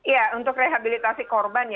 ya untuk rehabilitasi korban